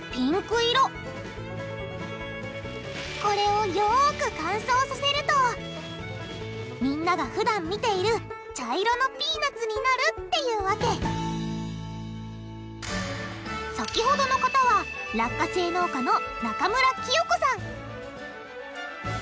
これをよく乾燥させるとみんながふだん見ている茶色のピーナツになるっていうわけ先ほどの方は落花生農家の中村喜代子さん